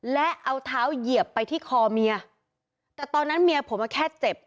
และเอาเท้าเหยียบไปที่คอเมียแต่ตอนนั้นเมียผมมาแค่เจ็บ